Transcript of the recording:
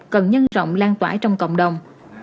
cần nhân rộng lan tỏa trong cộng đồng